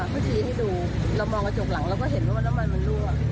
เขาชี้ให้ดูเรามองกระจกหลังเราก็เห็นว่าน้ำมันมันรั่ว